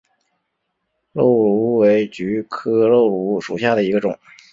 漏芦为菊科漏芦属下的一个种。